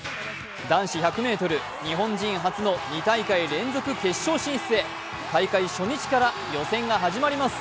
男子１００ｍ、日本人初の２大会連続決勝進出へ、大会初日から予選が始まります。